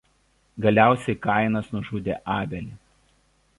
Galiausiai Kainas nužudė Abelį.